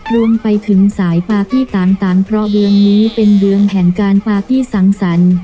รวมไปถึงสายปาร์ตี้ต่างเพราะเดือนนี้เป็นเดือนแห่งการปาร์ตี้สังสรรค์